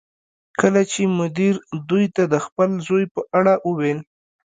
کله چې مدیر دوی ته د خپل زوی په اړه وویل